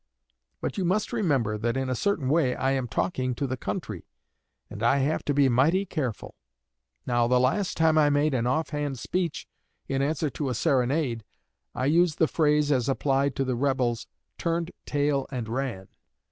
But you must remember that in a certain way I am talking to the country, and I have to be mighty careful. Now, the last time I made an off hand speech, in answer to a serenade, I used the phrase, as applied to the rebels, "turned tail and ran."